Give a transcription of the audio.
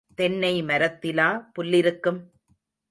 தென்னை மரத்திலா புல் இருக்கும்?